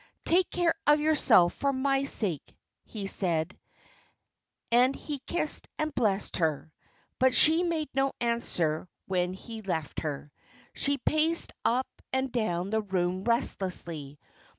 "Take care of yourself for my sake," he said, as he kissed and blessed her; but she made no answer when he left her. She paced up and down the room restlessly.